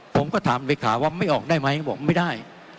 ผมก็ถามเลขาว่าไม่ออกได้ไหมก็บอกไม่ได้